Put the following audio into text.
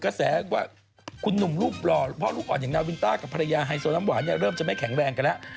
กับพรญชาไฮโหชนรมวาเริ่มจะไม่แข็งแรงแล้ว